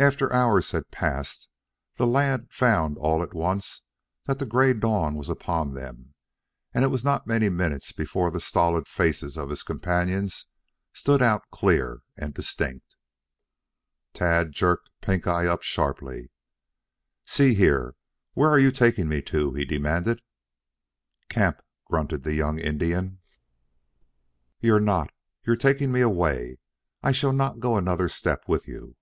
After hours had passed the lad found all at once that the gray dawn was upon them and it was not many minutes before the stolid faces of his companions stood out clear and distinct. Tad jerked Pink eye up sharply. "See here, where are you taking me to?" he demanded. "Camp," grunted the young Indian. "You're not. You are taking me away. I shall not go another step with you."